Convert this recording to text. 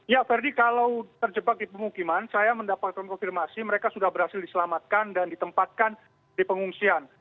ya verdi kalau terjebak di pemukiman saya mendapatkan konfirmasi mereka sudah berhasil diselamatkan dan ditempatkan di pengungsian